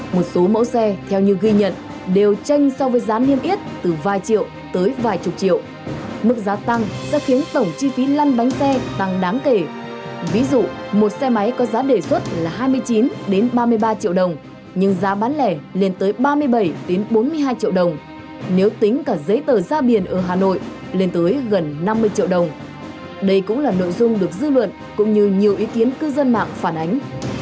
một số mẫu xe theo như ghi nhận đều tranh so với giá niêm yết từ vài triệu tới vài chục triệu mức giá tăng sẽ khiến tổng chi phí lăn bánh xe tăng đáng kể ví dụ một xe máy có giá đề xuất là hai mươi chín đến ba mươi ba triệu đồng nhưng giá bán lẻ lên tới ba mươi bảy đến bốn mươi hai triệu đồng nếu tính cả giấy tờ ra biển ở hà nội lên tới gần năm mươi triệu đồng đây cũng là nội dung được dư luận cũng như nhiều ý kiến cư dân mạng phản ánh